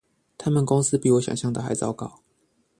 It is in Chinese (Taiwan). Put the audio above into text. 他們公司比我想像的還糟糕